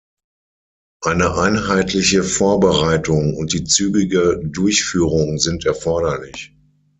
Eine einheitliche Vorbereitung und die zügige Durchführung sind erforderlich.